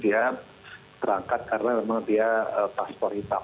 dia berangkat karena memang dia paspor hitam